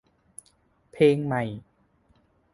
เพลงใหม่